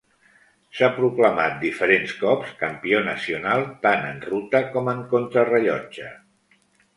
S'ha proclamat diferents cops campió nacional tant en ruta com en contrarellotge.